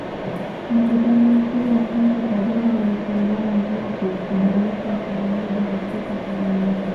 Mkutano Mkuu wa kwanza Tabora ulifungua njia kukubalika kwa umoja wa afrika Tanganyika